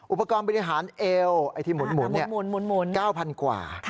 อุปกรณ์บริหารเอวไอ้ที่หมุน๙๐๐กว่า